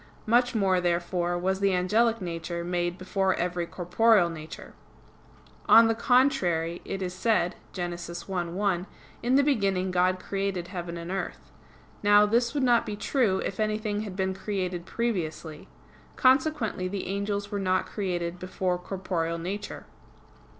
Much more, therefore, was the angelic nature made before every corporeal nature. On the contrary, It is said (Gen. 1:1): "In the beginning God created heaven and earth." Now, this would not be true if anything had been created previously. Consequently the angels were not created before corporeal nature.